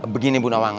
begini bu nawang